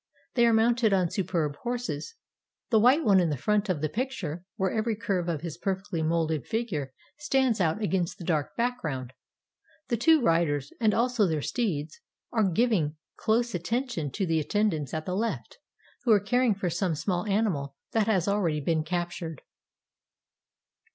They are mounted on superb horses, the white one in the front of the picture, where every curve of his perfectly moulded figure stands out against the dark background. The two riders, and also their steeds, are giving close attention to the attendants at the left, who are caring for some small animal that has already been captured.